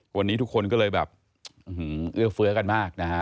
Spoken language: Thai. วันนี้ทุกคนก็เลยแบบเอื้อเฟื้อกันมากนะฮะ